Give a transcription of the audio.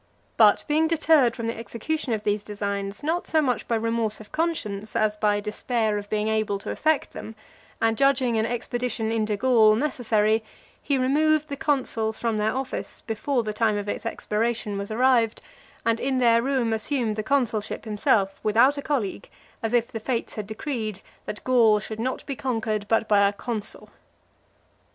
But being deterred from the execution of these designs not so much by remorse of conscience, as by despair of being able to effect them, and judging an expedition into Gaul necessary, he removed the consuls from their office, before the time of its expiration was arrived; and in their room assumed the consulship himself without a colleague, as if the fates had decreed that Gaul should not be conquered, but by a consul.